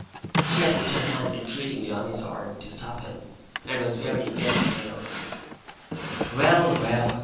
She had put her hand entreatingly on his arm, to stop him; and was very, very pale. 'Well, well!